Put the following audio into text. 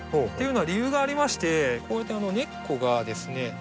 というのは理由がありましてこうやって根っこがですね